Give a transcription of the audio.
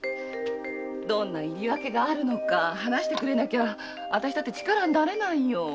どんな訳があるのか話してくれなきゃ私だって力になれないよ。